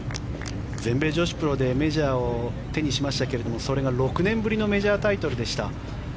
全米女子プロでメジャーを手にしましたけれどもそれが６年ぶりのメジャータイトルでした。